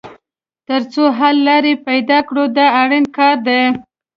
تر څو حل لاره یې پیدا کړو دا اړین کار دی.